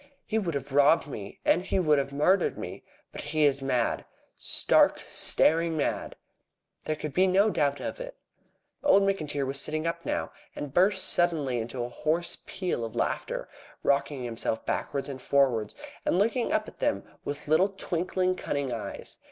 "He would have robbed me. And he would have murdered me. But he is mad stark, staring mad!" There could be no doubt of it. Old McIntyre was sitting up now, and burst suddenly into a hoarse peal of laughter, rocking himself backwards and forwards, and looking up at them with little twinkling, cunning eyes.